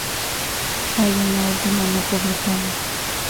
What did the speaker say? Hay una última no publicada.